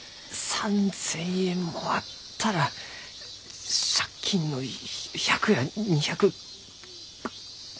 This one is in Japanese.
３，０００円もあったら借金の１００や２００。